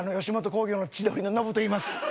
吉本興業の千鳥のノブといいます